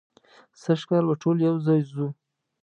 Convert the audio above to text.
سږ کال به ټول یو ځای ځو.